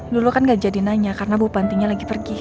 dulu kan gak jadi nanya karena bupatinya lagi pergi